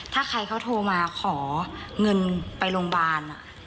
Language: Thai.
ถ้าใครเขาโทรมาขอเงินไปโรงพยาบาล